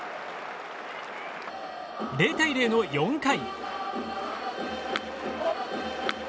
０対０の４回。